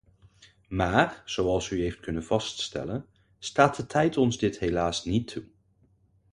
Maar, zoals u heeft kunnen vaststellen, staat de tijd ons dit helaas niet toe.